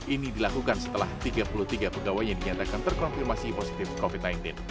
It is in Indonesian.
ini dilakukan setelah tiga puluh tiga pegawai yang dinyatakan terkonfirmasi positif covid sembilan belas